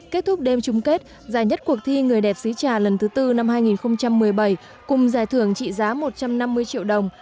kết thúc đêm chung kết giải nhất cuộc thi người đẹp xí trà lần thứ tư năm hai nghìn một mươi bảy cùng giải thưởng trị giá một trăm năm mươi triệu đồng